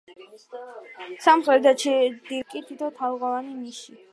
სამხრეთ და ჩრდილოეთ სარკმლების ქვემოთ კი თითო თაღოვანი ნიში.